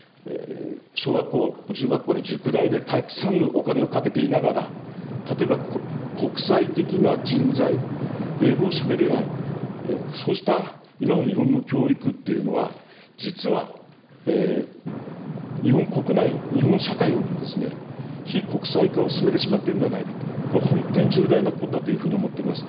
小学校、中学校で塾代でたくさんのお金をかけていながら、例えば国際的な人材、英語をしゃべれない、そうした今の日本の教育っていうのは、実は日本国内、日本社会の非国際化を進めてしまっているんではないかと、これ、本当に重大なことだというふうに思っております。